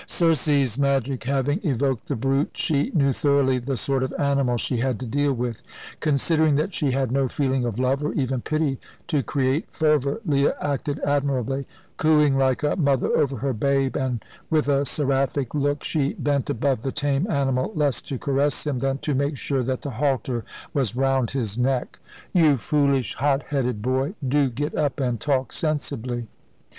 Circe's magic having evoked the brute, she knew thoroughly the sort of animal she had to deal with. Considering that she had no feeling of love, or even pity, to create fervour, Leah acted admirably. Cooing like a mother over her babe, and with a seraphic look, she bent above the tame animal, less to caress him than to make sure that the halter was round his neck. "You foolish, hot headed boy! Do get up and talk sensibly!"